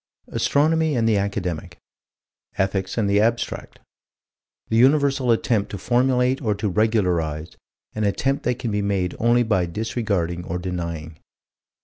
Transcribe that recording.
Astronomy and the academic. Ethics and the abstract. The universal attempt to formulate or to regularize an attempt that can be made only by disregarding or denying.